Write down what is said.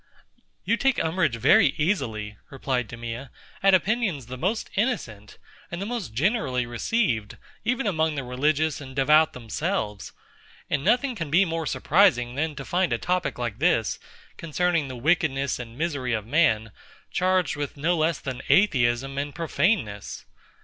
You take umbrage very easily, replied DEMEA, at opinions the most innocent, and the most generally received, even amongst the religious and devout themselves: and nothing can be more surprising than to find a topic like this, concerning the wickedness and misery of man, charged with no less than Atheism and profaneness.